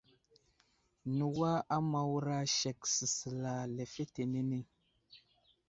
Newa a Mawra sek səsəla lefetenene.